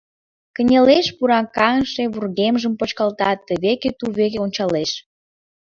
Кынелеш, пуракаҥше вургемжым почкалта, тывеке-тувеке ончалеш.